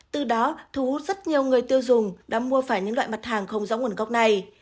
từ đó thu hút rất nhiều người tiêu dùng đã mua phải những loại mặt hàng không rõ nguồn gốc này